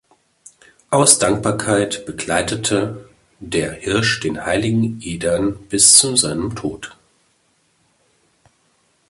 Aus Dankbarkeit begleitete der Hirsch den heiligen Edern bis zu seinem Tod.